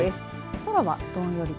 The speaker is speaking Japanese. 空はどんよりと。